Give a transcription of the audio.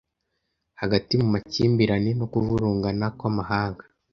Hagati mu makimbirane no kuvurungana kw’amahanga,